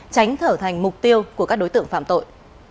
tránh trở thành mục tiêu của các đối tượng phạm tội